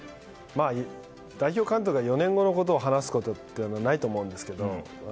代表監督が４年後のことを話すことはないと思うんですけど。